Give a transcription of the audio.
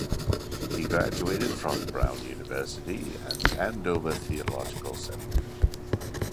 He graduated from Brown University and Andover Theological Seminary.